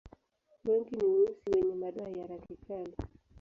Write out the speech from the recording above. Wengi ni weusi wenye madoa ya rangi kali.